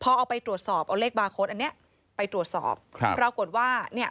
พอเอาไปตรวจสอบเอาเลขบาร์โค้ดอันเนี้ยไปตรวจสอบครับปรากฏว่าเนี่ย